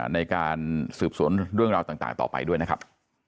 ในการสืบสวนเรื่องราวต่างต่อไปด้วยนะครับ